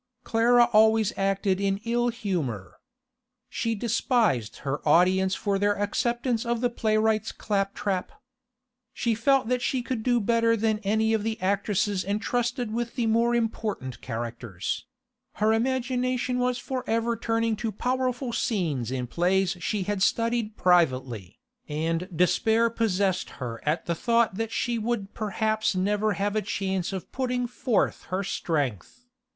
Clara always acted in ill humour. She despised her audience for their acceptance of the playwright's claptrap; she felt that she could do better than any of the actresses entrusted with the more important characters; her imagination was for ever turning to powerful scenes in plays she had studied privately, and despair possessed her at the thought that she would perhaps never have a chance of putting forth her strength.